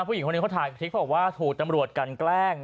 ผู้หญิงเขาถ่ายคลิปบอกว่าถูกนำรวจกันแกล้ง